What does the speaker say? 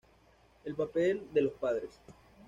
El papel de los padres.